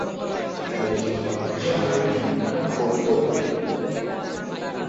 মেয়েটির পরনের শাড়ি খুব পরিপাটি।